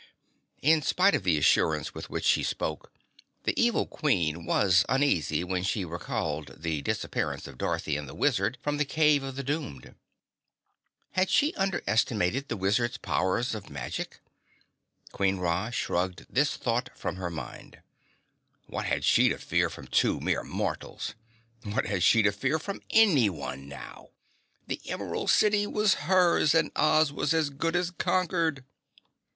In spite of the assurance with which she spoke, the evil Queen was uneasy when she recalled the disappearance of Dorothy and the Wizard from the Cave of the Doomed. Had she underestimated the Wizard's powers of magic? Queen Ra shrugged this thought from her mind. What had she to fear from two mere mortals? What had she to fear from anyone now? The Emerald City was hers and Oz was as good as conquered!